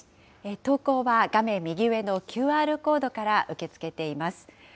投稿は画面右上のＱＲコードから受け付けています。